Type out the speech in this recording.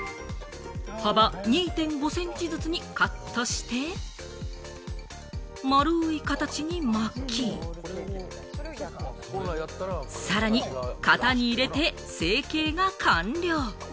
幅２．５センチずつにカットして、丸い形に巻き、さらに型に入れて成形が完了。